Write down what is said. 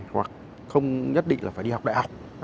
hoặc không nhất định là phải đi học đại học